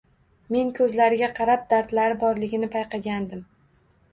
Men koʻzlariga qarab dardlari borligini payqagandim..